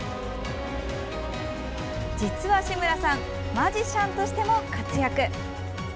実は、志村さんマジシャンとしても活躍。